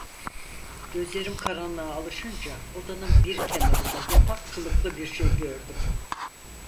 Gözlerim karanlığa alışınca odanın bir kenarında yatak kılıklı bir şey gördüm.